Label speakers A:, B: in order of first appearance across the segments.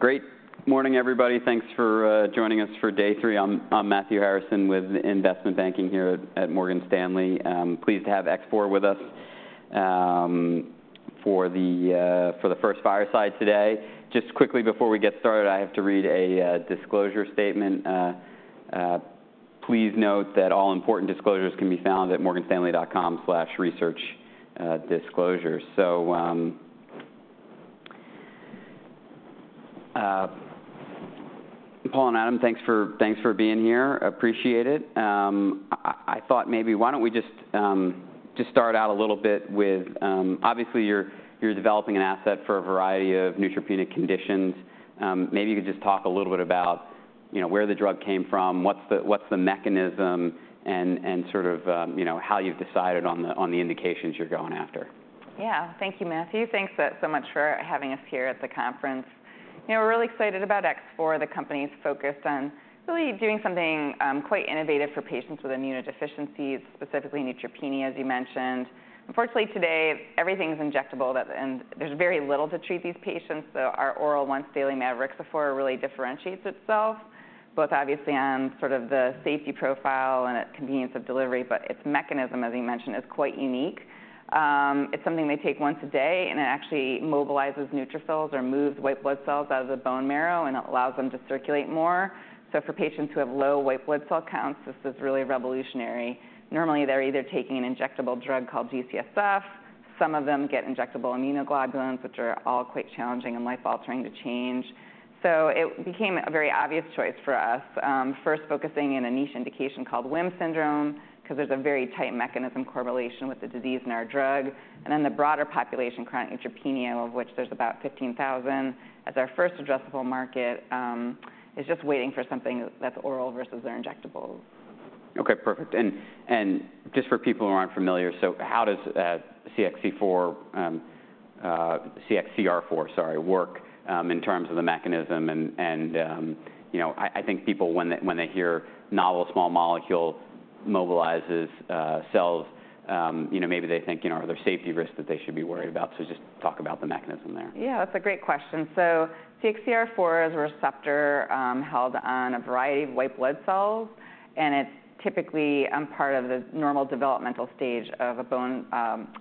A: Great morning, everybody. Thanks for joining us for day three. I'm Matthew Harrison with investment banking here at Morgan Stanley. Pleased to have X4 with us for the first fireside today. Just quickly before we get started, I have to read a disclosure statement. Please note that all important disclosures can be found at morganstanley.com/research/disclosures. So, Paula and Adam, thanks for being here. Appreciate it. I thought maybe why don't we just start out a little bit with, obviously, you're developing an asset for a variety of neutropenic conditions. Maybe you could just talk a little bit about, you know, where the drug came from, what's the mechanism, and sort of, you know, how you've decided on the indications you're going after.
B: Yeah. Thank you, Matthew. Thanks so, so much for having us here at the conference. You know, we're really excited about X4, the company's focus on really doing something quite innovative for patients with immunodeficiencies, specifically neutropenia, as you mentioned. Unfortunately, today, everything's injectable that... and there's very little to treat these patients, so our oral once-daily mavorixafor really differentiates itself, both obviously on sort of the safety profile and its convenience of delivery, but its mechanism, as you mentioned, is quite unique. It's something they take once a day, and it actually mobilizes neutrophils or moves white blood cells out of the bone marrow, and it allows them to circulate more. So for patients who have low white blood cell counts, this is really revolutionary. Normally, they're either taking an injectable drug called G-CSF, some of them get injectable immunoglobulins, which are all quite challenging and life-altering to change. So it became a very obvious choice for us, first focusing in a niche indication called WHIM syndrome 'cause there's a very tight mechanism correlation with the disease and our drug, and then the broader population, chronic neutropenia, of which there's about 15,000, as our first addressable market, is just waiting for something that's oral versus their injectables.
A: Okay, perfect. Just for people who aren't familiar, so how does CXCR4 work in terms of the mechanism? You know, I think people when they hear novel small molecule mobilizes cells maybe they think, are there safety risks that they should be worried about? So just talk about the mechanism there.
B: Yeah, that's a great question. So CXCR4 is a receptor held on a variety of white blood cells, and it's typically part of the normal developmental stage of a bone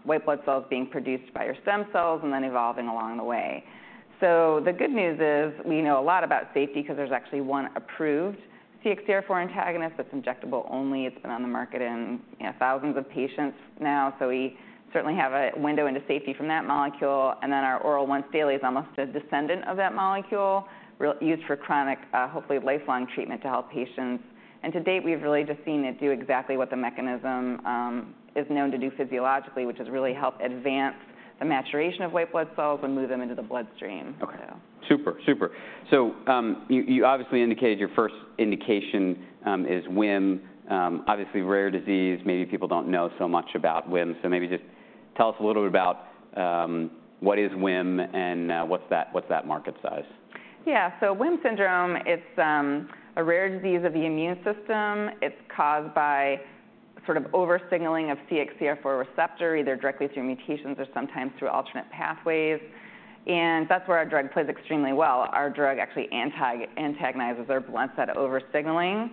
B: white blood cells being produced by your stem cells and then evolving along the way. So the good news is we know a lot about safety 'cause there's actually one approved CXCR4 antagonist that's injectable only. It's been on the market in, you know, thousands of patients now, so we certainly have a window into safety from that molecule, and then our oral once daily is almost a descendant of that molecule, reused for chronic, hopefully lifelong treatment to help patients. To date, we've really just seen it do exactly what the mechanism is known to do physiologically, which is really help advance the maturation of white blood cells and move them into the bloodstream.
A: Okay. Super. You indicated your first indication is WHIM. Obviously, rare disease, maybe people don't know so much about WHIM. So maybe just tell us a little bit about what is WHIM, and what's that market size?
B: Yeah, so WHIM Syndrome, it's a rare disease of the immune system. It's caused by sort of over-signaling of CXCR4 receptor, either directly through mutations or sometimes through alternate pathways, and that's where our drug plays extremely well. Our drug actually antagonizes or blocks that over-signaling.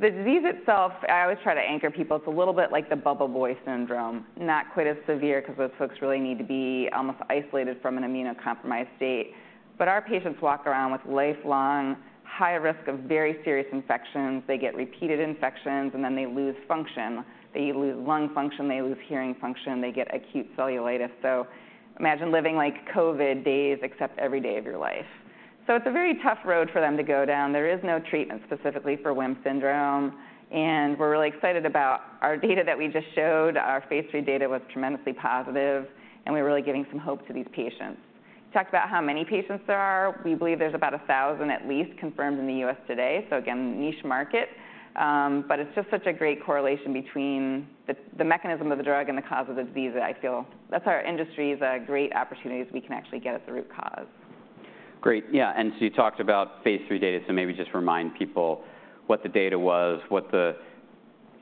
B: The disease itself, I always try to anchor people, it's a little bit like the "Bubble Boy" syndrome, not quite as severe 'cause those folks really need to be almost isolated from an immunocompromised state. But our patients walk around with lifelong high risk of very serious infections. They get repeated infections, and then they lose function. They lose of lung function, hearing function, they get acute cellulitis. So imagine living like COVID days, except every day of your life. So it's a very tough road for them to go down. There is no treatment specifically for WHIM syndrome, and we're really excited about our data that we just showed. Our Phase III data was tremendously positive, and we're really giving some hope to these patients. Talk about how many patients there are, we believe there's about 1,000 at least confirmed in the U.S. today, so again, niche market. But it's just such a great correlation between the mechanism of the drug and the cause of the disease that I feel... That's our industry, is, like, great opportunities we can actually get at the root cause.
A: Great. Yeah, and so you talked about Phase III data, so maybe just remind people what the data was,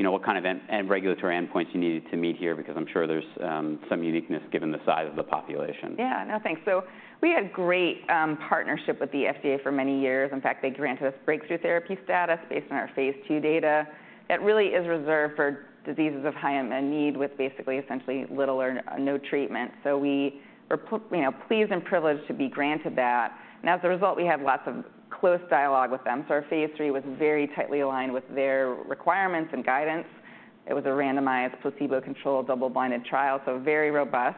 A: you know, what kind of regulatory endpoints you needed to meet here because I'm sure there's some uniqueness given the size of the population.
B: Yeah. No, thanks. So we had great partnership with the FDA for many years. In fact, they granted us breakthrough therapy status based on our phase II data. That really is reserved for diseases of high need with basically essentially little or no treatment. So we were you know, pleased and privileged to be granted that, and as a result, we had lots of close dialogue with them. So our Phase III was very tightly aligned with their requirements and guidance. It was a randomized, placebo-controlled, double-blinded trial, so very robust.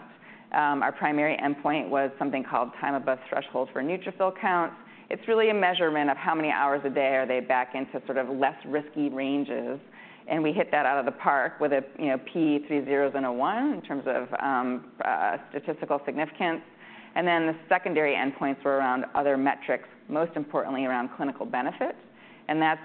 B: Our primary endpoint was something called time above threshold for neutrophil count. It's really a measurement of how many hours a day are they back into sort of less risky ranges, and we hit that out of the park with a, you know, p-value < 0.001 in terms of statistical significance. And then the secondary endpoints were around other metrics, most importantly around clinical benefit, and that's,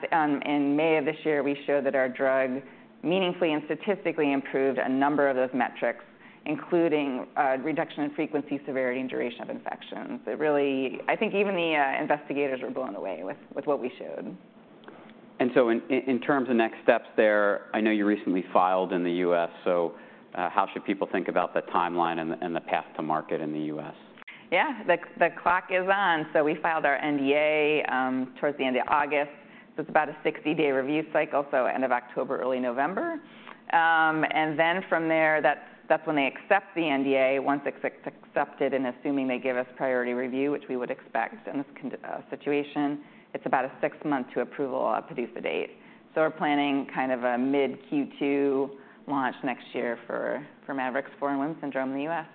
B: in May of this year, we showed that our drug meaningfully and statistically improved a number of those metrics, including reduction in frequency, severity, and duration of infections. It really. I think even the investigators were blown away with what we showed....
A: So in terms of next steps there, I know you recently filed in the U.S. so how should people think about the timeline and the path to market in the U.S.?
B: Yeah, the clock is on. So we filed our NDA towards the end of August. So it's about a 60 days review cycle, so end of October, early November. And then from there, that's when they accept the NDA. Once it's accepted, and assuming they give us Priority Review, which we would expect in this context, it's about a six months to approval PDUFA target action date. So we're planning kind of a mid-Q2 launch next year for mavorixafor for WHIM syndrome in the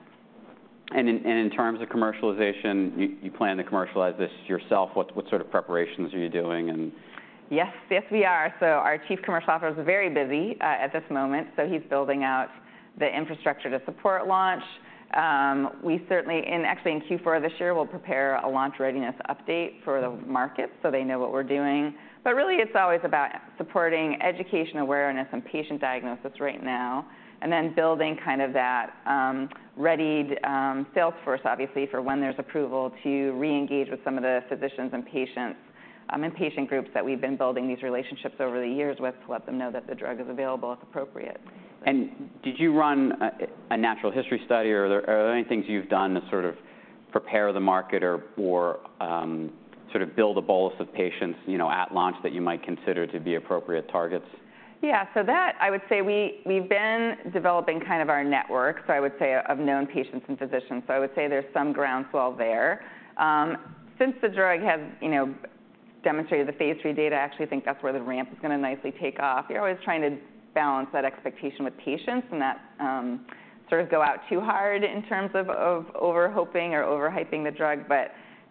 B: U.S.
A: In terms of commercialization, you plan to commercialize this yourself. What sort of preparations are you doing, and-
B: Yes, we are. So our Chief Commercial Officer is very busy at this moment, so he's building out the infrastructure to support launch. We certainly... And actually, in Q4 of this year, we'll prepare a launch- ready sales, update for the market so they know what we're doing. But really, it's always about supporting education awareness and patient diagnosis right now, and then building kind of that readied sales force, obviously, for when there's approval to re-engage with some of the physicians and patients and patient groups that we've been building these relationships over the years with to let them know that the drug is available, if appropriate.
A: Did you run a natural history study, or are there any things you've done to sort of prepare the market or sort of build a bolus of patients, you know, at launch that you might consider to be appropriate targets?
B: Yeah. So that, I would say we've been developing kind of our network, so I would say, of known patients and physicians, so I would say there's some groundswell there. Since the drug has, you know, demonstrated the Phase III data, I actually think that's where the ramp is gonna nicely take off. You're always trying to balance that expectation with patients, and not, sort of go out too hard in terms of, of over-hoping or over-hyping the drug.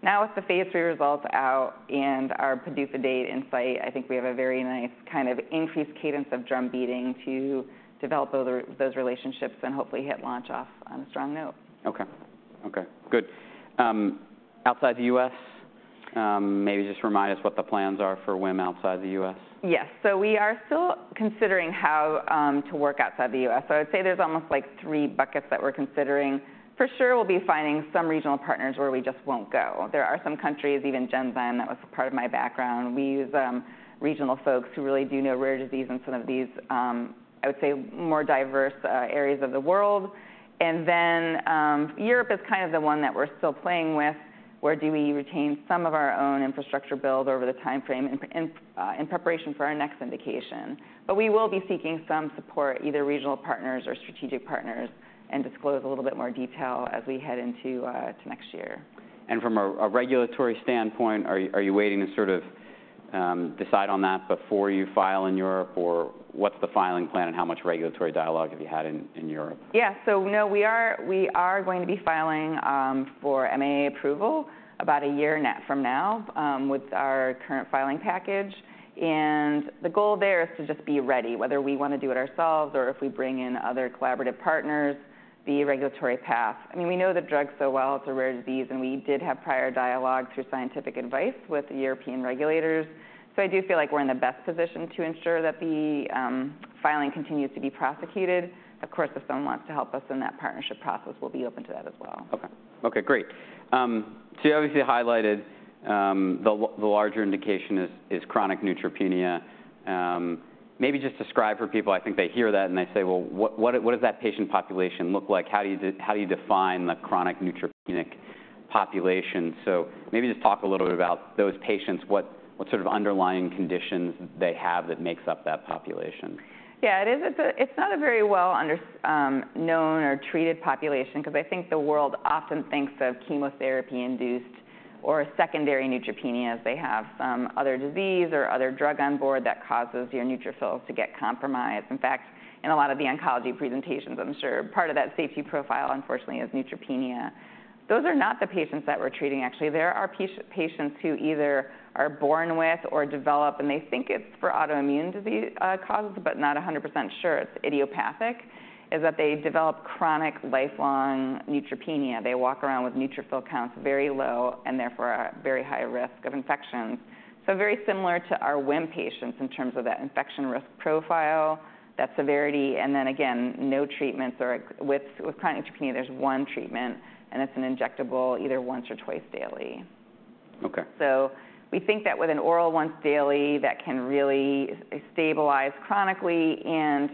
B: But now with the Phase III results out and our PDUFA date in sight, I think we have a very nice kind of increased cadence of drum beating to develop those relationships and hopefully hit launch off on a strong note.
A: Okay. Okay, good. Outside the U.S. maybe just remind us what the plans are for WHIM outside the U.S.
B: Yes. So we are still considering how to work outside the U.S. So I'd say there's almost, like, three buckets that we're considering. For sure we'll be finding some regional partners where we just won't go. There are some countries, even Genzyme, that was part of my background. We use regional folks who really do know rare disease in some of these, I would say, more diverse areas of the world. And then, Europe is kind of the one that we're still playing with, where do we retain some of our own infrastructure build over the timeframe in preparation for our next indication? But we will be seeking some support, either regional partners or strategic partners, and disclose a little bit more detail as we head into to next year.
A: From a regulatory standpoint, are you waiting to sort of decide on that before you file in Europe, or what's the filing plan, and how much regulatory dialogue have you had in Europe?
B: Yeah. So no, we are going to be filing for MAA approval about a year net from now with our current filing package. And the goal there is to just be ready, whether we wanna do it ourselves or if we bring in other collaborative partners, the regulatory path. I mean, we know the drug so well, it's a rare disease, and we did have prior dialogue through Scientific Advice with the European regulators. So I do feel like we're in the best position to ensure that the filing continues to be prosecuted. Of course, if someone wants to help us in that partnership process, we'll be open to that as well.
A: Okay. Okay, great. So you obviously highlighted the larger indication is chronic neutropenia. Maybe just describe for people. I think they hear that and they say, "Well, what does that patient population look like? How do you define the chronic neutropenic population?" So maybe just talk a little bit about those patients, what sort of underlying conditions they have that makes up that population.
B: Yeah, it is. It's not a very well understood, known or treated population, because I think the world often thinks of chemotherapy-induced or secondary neutropenias. They have some other disease or other drug on board that causes your neutrophils to get compromised. In fact, in a lot of the oncology presentations, I'm sure part of that safety profile, unfortunately, is neutropenia. Those are not the patients that we're treating, actually. There are patients who either are born with or develop, and they think it's for autoimmune disease causes, but not 100% sure it's idiopathic, is that they develop chronic, lifelong neutropenia. They walk around with neutrophil counts very low and therefore are at very high risk of infections. So very similar to our WHIM patients in terms of that infection risk profile, that severity, and then again, no treatments or ag... With chronic neutropenia, there's one treatment, and it's an injectable either once or twice daily.
A: Okay.
B: So we think that with an oral once daily, that can really stabilize chronically and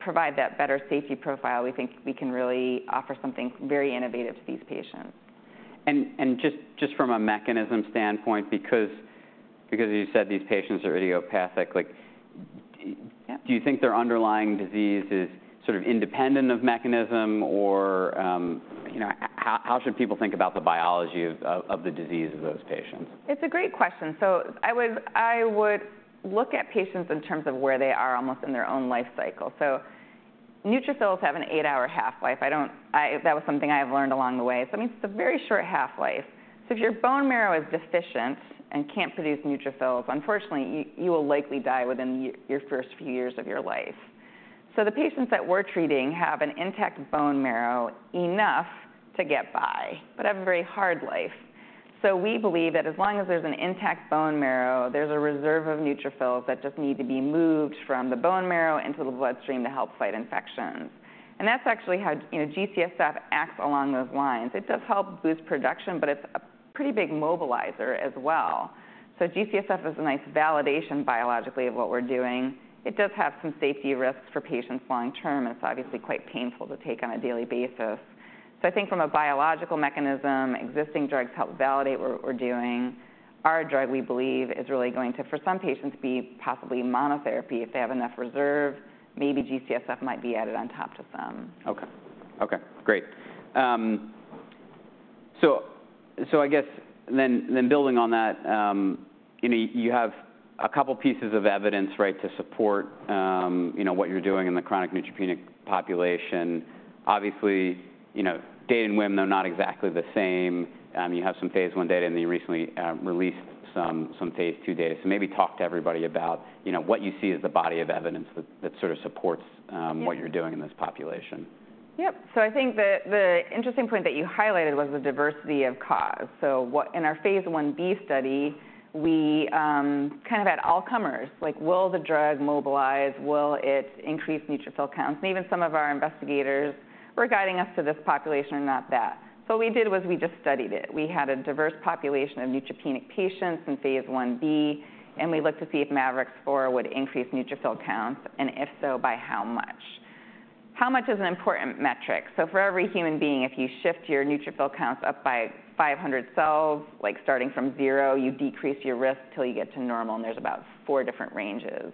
B: provide that better safety profile. We think we can really offer something very innovative to these patients.
A: And just from a mechanism standpoint, because you said these patients are idiopathic, like-
B: Yeah...
A: do you think their underlying disease is sort of independent of mechanism or, you know, how should people think about the biology of the disease of those patients?
B: It's a great question. So I would, I would look at patients in terms of where they are almost in their own life cycle. So neutrophils have an eight-hour half-life. I don't... that was something I have learned along the way, so, I mean, it's a very short half-life. So if your bone marrow is deficient and can't produce neutrophils, unfortunately, you, you will likely die within your first few years of your life. So the patients that we're treating have an intact bone marrow, enough to get by, but have a very hard life. So we believe that as long as there's an intact bone marrow, there's a reserve of neutrophils that just need to be moved from the bone marrow into the bloodstream to help fight infections, and that's actually how, you know, G-CSF acts along those lines. It does help boost production, but it's a-... Pretty big mobilizer as well. So G-CSF is a nice validation biologically of what we're doing. It does have some safety risks for patients long-term, and it's obviously quite painful to take on a daily basis. So I think from a biological mechanism, existing drugs help validate what, what we're doing. Our drug, we believe, is really going to, for some patients, be possibly monotherapy if they have enough reserve. Maybe G-CSF might be added on top to some.
A: Okay. Okay, great. So I guess then, building on that, you know, you have a couple pieces of evidence, right, to support, you know, what you're doing in the chronic neutropenic population. Obviously, you know, data in WHIM, they're not exactly the same. You have some phase I data, and you recently released some phase II data. So maybe talk to everybody about, you know, what you see as the body of evidence that sort of supports.
B: Yeah...
A: what you're doing in this population.
B: Yep. So I think the interesting point that you highlighted was the diversity of cause. So what... In our Phase Ib study, we kind of had all comers, like, will the drug mobilize? Will it increase neutrophil counts? And even some of our investigators were guiding us to this population and not that. So what we did was we just studied it. We had a diverse population of neutropenic patients in phase Ib, and we looked to see if mavorixafor would increase neutrophil counts, and if so, by how much? How much is an important metric? So for every human being, if you shift your neutrophil counts up by 500 cells per microliter, like starting from zero, you decrease your risk till you get to normal, and there's about four different ranges.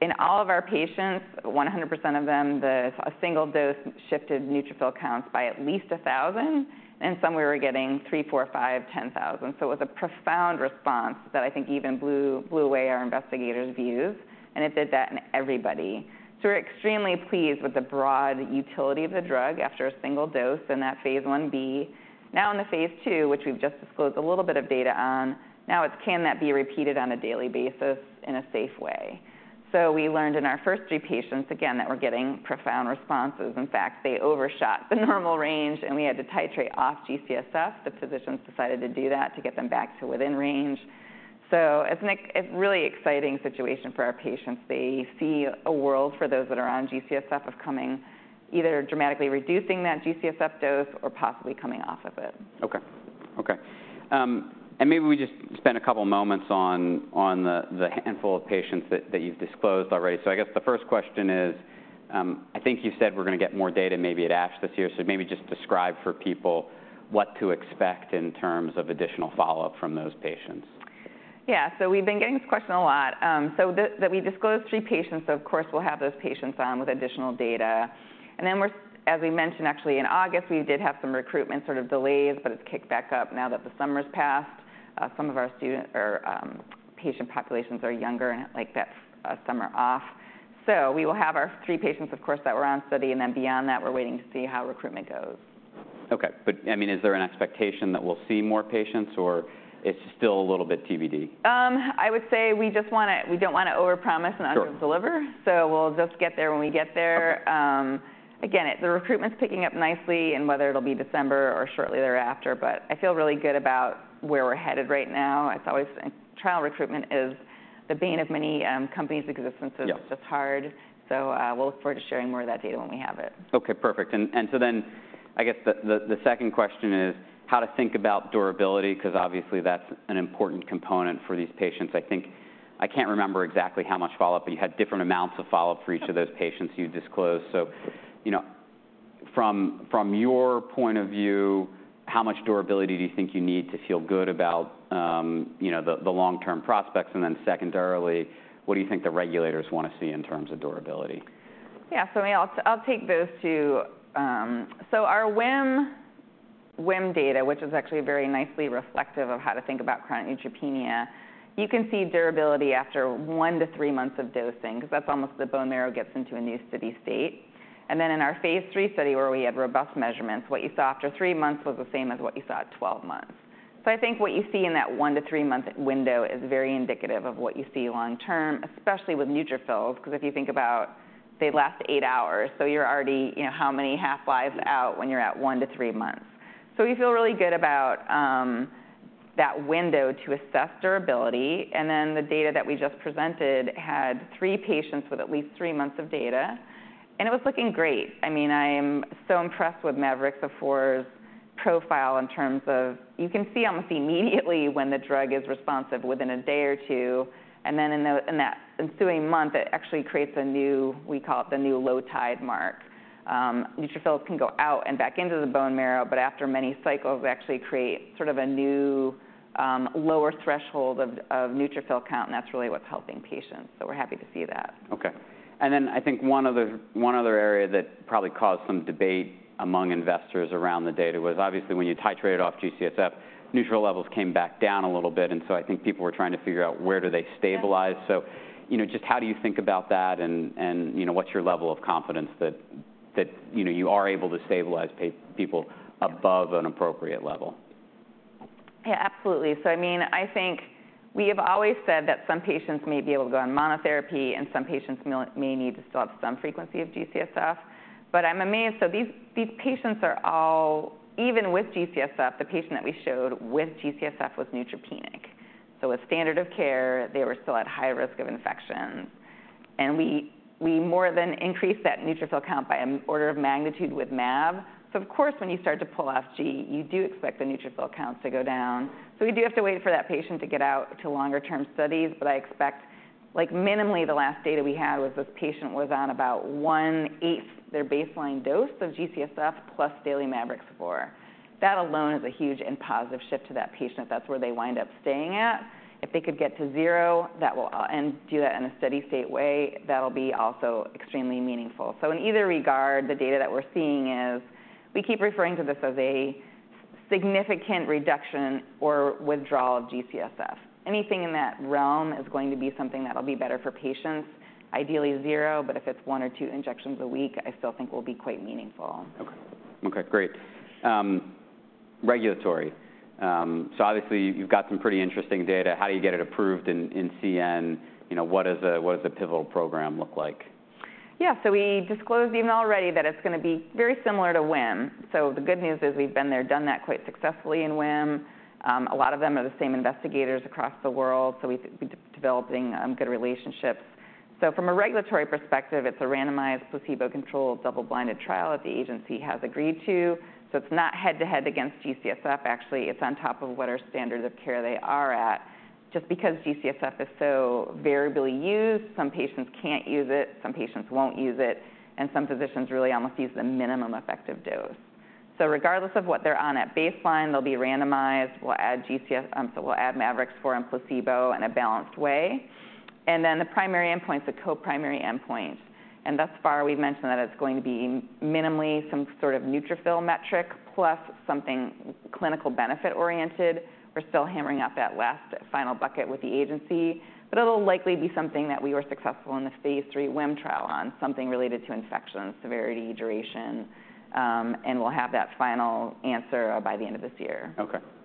B: In all of our patients, 100% of them, a single dose shifted neutrophil counts by at least 1,000 per microliter and some we were getting 3,000, 4,000, 5,000, 10,000 per microliter. So it was a profound response that I think even blew away our investigators' views, and it did that in everybody. So we're extremely pleased with the broad utility of the drug after a single dose in that Phase Ib. Now, in the Phase II, which we've just disclosed a little bit of data on, now it's, can that be repeated on a daily basis in a safe way? So we learned in our first three patients, again, that we're getting profound responses. In fact, they overshot the normal range, and we had to titrate off G-CSF. The physicians decided to do that to get them back to within range. So it's a really exciting situation for our patients. They see a world for those that are on G-CSF of coming either dramatically reducing that G-CSF dose or possibly coming off of it.
A: Okay. Okay. And maybe we just spend a couple moments on the handful of patients that you've disclosed already. So I guess the first question is, I think you said we're gonna get more data maybe at ASH this year, so maybe just describe for people what to expect in terms of additional follow-up from those patients.
B: Yeah, so we've been getting this question a lot. So that we disclosed three patients, so of course, we'll have those patients on with additional data. And then, as we mentioned, actually, in August, we did have some recruitment sort of delays, but it's kicked back up now that the summer's passed. Some of our student or patient populations are younger and like to have summer off. So we will have our three patients, of course, that were on study, and then beyond that, we're waiting to see how recruitment goes.
A: Okay, but, I mean, is there an expectation that we'll see more patients, or it's still a little bit TBD?
B: I would say we just wanna- we don't wanna overpromise-
A: Sure...
B: and underdeliver, so we'll just get there when we get there.
A: Okay.
B: Again, it's the recruitment's picking up nicely, and whether it'll be December or shortly thereafter, but I feel really good about where we're headed right now. It's always... Trial recruitment is the bane of many companies' existence-
A: Yeah...
B: so it's just hard. So, we'll look forward to sharing more of that data when we have it.
A: Okay, perfect. So then, I guess the second question is how to think about durability, 'cause obviously that's an important component for these patients. I think I can't remember exactly how much follow-up, but you had different amounts of follow-up for each-
B: Yeah...
A: of those patients you disclosed. So, you know, from your point of view, how much durability do you think you need to feel good about, you know, the long-term prospects? And then secondarily, what do you think the regulators want to see in terms of durability?
B: Yeah, so, I mean, I'll take those two. So our WHIM data, which is actually very nicely reflective of how to think about chronic neutropenia, you can see durability after one to three months of dosing, 'cause that's almost the bone marrow gets into a new steady state. And then in our Phase III study, where we had robust measurements, what you saw after three months was the same as what you saw at 12 months. So I think what you see in that one to three months window is very indicative of what you see long term, especially with neutrophils, 'cause if you think about they last eight-hour half-life out when you're at one to three months. So we feel really good about that window to assess durability, and then the data that we just presented had three patients with at least three months of data, and it was looking great. I mean, I am so impressed with mavorixafor's profile in terms of you can see almost immediately when the drug is responsive within a day or two, and then in that ensuing month, it actually creates a new... we call it the new low-tide mark. Neutrophils can go out and back into the bone marrow, but after many cycles, we actually create sort of a new lower threshold of neutrophil count, and that's really what's helping patients, so we're happy to see that.
A: Okay. And then I think one other area that probably caused some debate among investors around the data was obviously when you titrated off G-CSF, neutrophil levels came back down a little bit, and so I think people were trying to figure out where do they stabilize-
B: Yeah...
A: so, you know, just how do you think about that, and you know, what's your level of confidence that you know, you are able to stabilize people above an appropriate level?
B: Yeah, absolutely. So, I mean, I think we have always said that some patients may be able to go on monotherapy, and some patients may need to still have some frequency of G-CSF. But I'm amazed. So these patients are all... Even with G-CSF, the patient that we showed with G-CSF was neutropenic. So with standard of care, they were still at high risk of infections, and we more than increased that neutrophil count by an order of magnitude with mavorixafor. So of course, when you start to pull off G, you do expect the neutrophil counts to go down. So we do have to wait for that patient to get out to longer-term studies, but I expect, like, minimally, the last data we had was this patient was on about one-eighth their baseline dose of G-CSF plus daily mavorixafor. That alone is a huge and positive shift to that patient. That's where they wind up staying at. If they could get to zero and do that in a steady state way, that'll be also extremely meaningful. So in either regard, the data that we're seeing is we keep referring to this as a significant reduction or withdrawal of G-CSF. Anything in that realm is going to be something that'll be better for patients, ideally zero, but if it's one or two injections a week, I still think will be quite meaningful.
A: Okay. Okay, great. Regulatory. So obviously you've got some pretty interesting data. How do you get it approved in CN? You know, what does a pivotal program look like?
B: Yeah, so we disclosed even already that it's gonna be very similar to WHIM. So the good news is we've been there, done that quite successfully in WHIM. A lot of them are the same investigators across the world, so we've been developing good relationships. So from a regulatory perspective, it's a randomized, placebo-controlled, double-blinded trial that the agency has agreed to, so it's not head-to-head against G-CSF. Actually, it's on top of what our standard of care they are at. Just because G-CSF is so variably used, some patients can't use it, some patients won't use it, and some physicians really almost use the minimum effective dose. So regardless of what they're on at baseline, they'll be randomized. We'll add mavorixafor and placebo in a balanced way, and then the primary endpoint is a co-primary endpoint. Thus far, we've mentioned that it's going to be minimally some sort of neutrophil metric, plus something clinical benefit oriented. We're still hammering out that last final bucket with the agency, but it'll likely be something that we were successful in the Phase III WHIM trial on, something related to infection, severity, duration, and we'll have that final answer by the end of this year.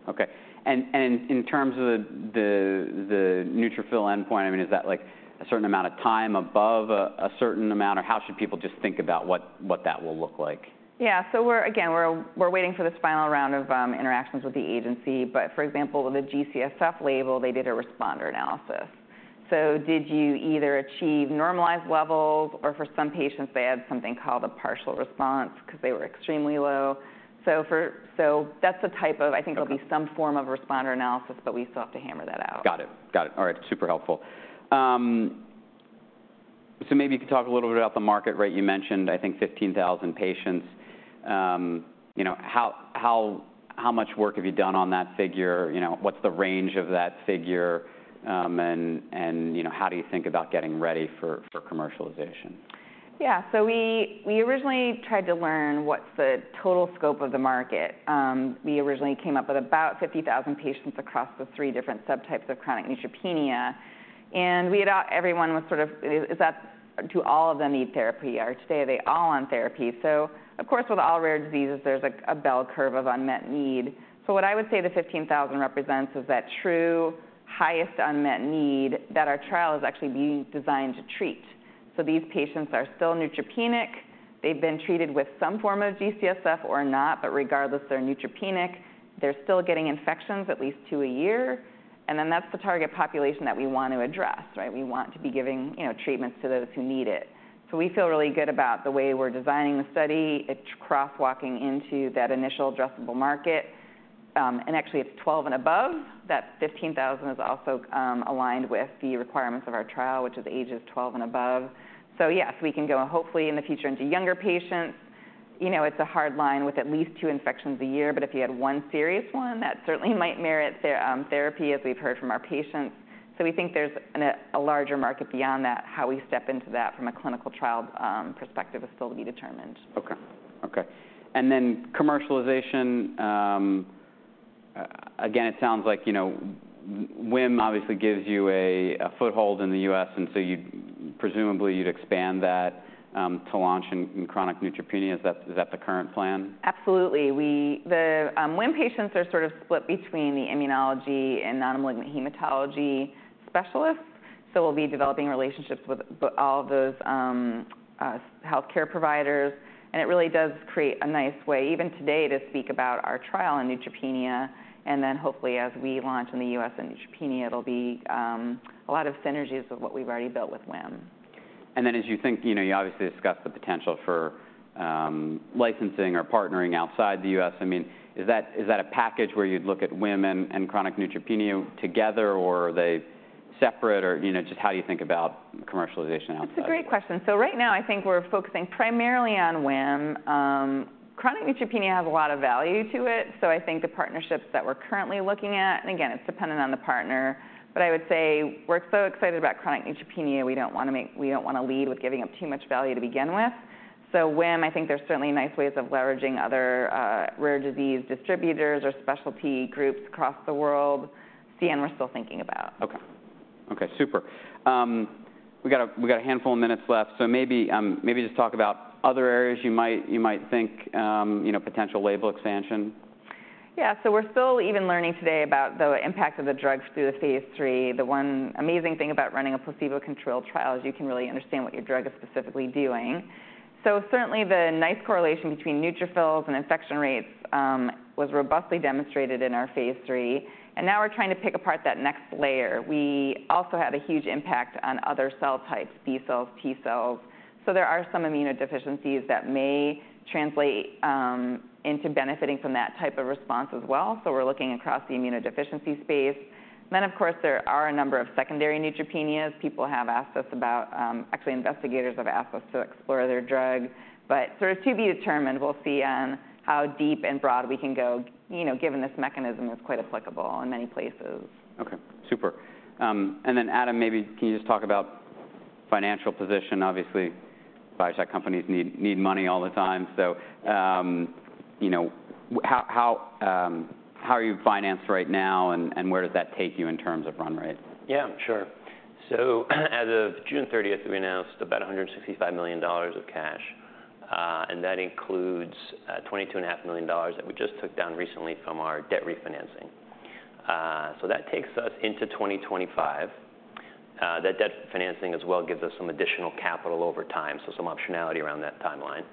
A: Okay, and in terms of the neutrophil endpoint, I mean, is that like a certain amount of time above a certain amount, or how should people just think about what that will look like?
B: Yeah. So again, we're waiting for this final round of interactions with the agency, but for example, with the G-CSF label, they did a responder analysis. So did you either achieve normalized levels, or for some patients, they had something called a partial response 'cause they were extremely low. So that's the type of-
A: Okay.
B: I think it'll be some form of responder analysis, but we still have to hammer that out.
A: Got it. Got it. All right, super helpful. So maybe you could talk a little bit about the market, right? You mentioned, I think, 15,000 patients. You know, how much work have you done on that figure? You know, what's the range of that figure, and you know, how do you think about getting ready for commercialization?
B: Yeah. So we, we originally tried to learn what's the total scope of the market. We originally came up with about 50,000 patients across the three different subtypes of chronic neutropenia, and we had... Everyone was sort of, is that, do all of them need therapy, or today, are they all on therapy? So of course, with all rare diseases, there's a, a bell curve of unmet need. So what I would say the 15,000 represents is that true highest unmet need that our trial is actually being designed to treat. So these patients are still neutropenic. They've been treated with some form of G-CSF or not, but regardless, they're neutropenic. They're still getting infections at least two a year, and then that's the target population that we want to address, right? We want to be giving, you know, treatments to those who need it. So we feel really good about the way we're designing the study. It's crosswalking into that initial addressable market, and actually, it's 12 and above. That 15,000 is also aligned with the requirements of our trial, which is ages 12 and above. So yes, we can go, hopefully, in the future, into younger patients. You know, it's a hard line with at least two infections a year, but if you had one serious one, that certainly might merit therapy, as we've heard from our patients. So we think there's a larger market beyond that. How we step into that from a clinical trial perspective is still to be determined.
A: Okay. Okay, and then commercialization, again, it sounds like, you know, WHIM obviously gives you a foothold in the U.S., and so you presumably you'd expand that, to launch in chronic neutropenia. Is that, is that the current plan?
B: Absolutely. We the WHIM patients are sort of split between the immunology and non-malignant hematology specialists, so we'll be developing relationships with, but all of those, healthcare providers, and it really does create a nice way, even today, to speak about our trial in neutropenia, and then hopefully, as we launch in the U.S. in neutropenia, it'll be a lot of synergies of what we've already built with WHIM.
A: And then as you think, you know, you obviously discussed the potential for licensing or partnering outside the U.S. I mean, is that a package where you'd look at WHIM and chronic neutropenia together, or are they separate? Or, you know, just how do you think about commercialization outside?
B: It's a great question. So right now, I think we're focusing primarily on WHIM. Chronic neutropenia has a lot of value to it, so I think the partnerships that we're currently looking at, and again, it's dependent on the partner, but I would say we're so excited about chronic neutropenia. We don't wanna lead with giving up too much value to begin with. So WHIM, I think there's certainly nice ways of leveraging other, rare disease distributors or specialty groups across the world. CN, we're still thinking about.
A: Okay. Okay, super. We got a handful of minutes left, so maybe just talk about other areas you might think, you know, potential label expansion.
B: Yeah. So we're still even learning today about the impact of the drugs through the Phase III. The one amazing thing about running a placebo-controlled trial is you can really understand what your drug is specifically doing. So certainly, the nice correlation between neutrophils and infection rates was robustly demonstrated in ourPhase III, and now we're trying to pick apart that next layer. We also had a huge impact on other cell types, B cells, T cells, so there are some immunodeficiencies that may translate into benefiting from that type of response as well. So we're looking across the immunodeficiency space. Then, of course, there are a number of secondary neutropenias. People have asked us about. Actually, investigators have asked us to explore their drug, but so it's to be determined. We'll see on how deep and broad we can go, you know, given this mechanism is quite applicable in many places.
A: Okay, super. And then, Adam, maybe can you just talk about financial position? Obviously, biotech companies need money all the time, so, you know, how are you financed right now, and where does that take you in terms of run rate?
C: Yeah, sure. So as of June 30, we announced about $165 million of cash, and that includes $22.5 million that we just took down recently from our debt refinancing. So that takes us into 2025. That debt financing as well gives us some additional capital over time, so some optionality around that timeline.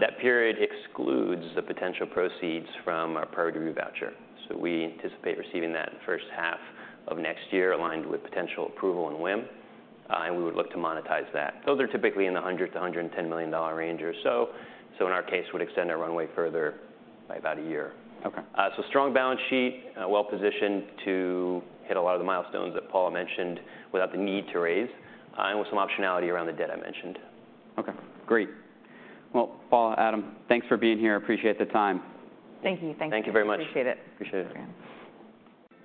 C: That period excludes the potential proceeds from our Priority Review Voucher, so we anticipate receiving that H1 of next year, aligned with potential approval in WHIM, and we would look to monetize that. Those are typically in the $100 million to $110 million range or so, so in our case, would extend our runway further by about a year.
A: Okay.
C: So strong balance sheet, well-positioned to hit a lot of the milestones that Paula mentioned without the need to raise, and with some optionality around the debt I mentioned.
A: Okay, great. Well, Paula, Adam, thanks for being here. I appreciate the time.
B: Thank you. Thanks.
C: Thank you very much.
B: Appreciate it.
C: Appreciate it.
B: Yeah.